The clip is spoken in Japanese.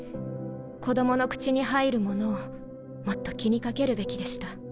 子供の口に入るものをもっと気にかけるべきでした。